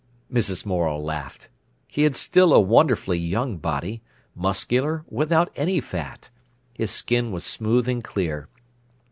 Mrs. Morel laughed. He had still a wonderfully young body, muscular, without any fat. His skin was smooth and clear.